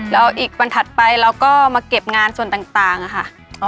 แล้วอีกวันถัดไปเราก็มาเก็บงานส่วนต่างค่ะ